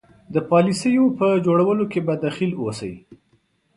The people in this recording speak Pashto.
د پالیسیو په جوړولو کې به دخیل اوسي.